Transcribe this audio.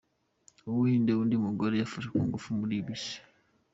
U Buhinde Undi mugore yafashwe ku ngufu muri bisi